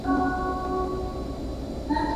La punta de la cola es negra.